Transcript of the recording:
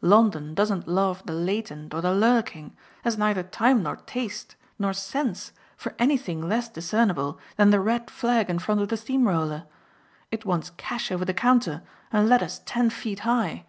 London doesn't love the latent or the lurking, has neither time nor taste nor sense for anything less discernible than the red flag in front of the steam roller. It wants cash over the counter and letters ten feet high.